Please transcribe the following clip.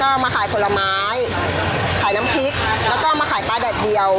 ก็มาขายผลไม้ขายน้ำพริกแล้วก็มาขายปลาแดดเดียว